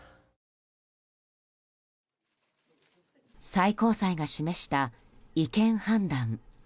最高裁が示した違憲判断。